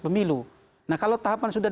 pemilu nah kalau tahapan sudah